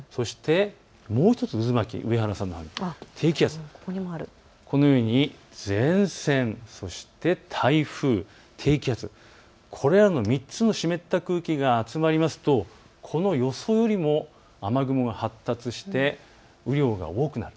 もう１つ、渦巻き、上原さんのほうにある前線、台風、低気圧、これらの３つの湿った空気が集まりますと、この予想よりも雨雲、発達して雨量が多くなる。